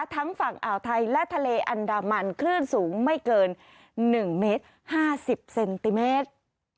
ทั้งฝั่งอ่าวไทยและทะเลอันดามันคลื่นสูงไม่เกิน๑เมตร๕๐เซนติเมตร